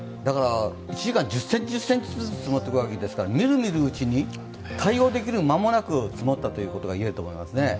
１時間に１０ｃｍずつ積もっていくわけですからみるみるうちに対応できる間もなく積もったというわけですね。